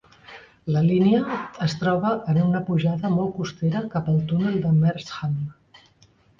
La línia es troba en una pujada molt costera cap al túnel de Merstham.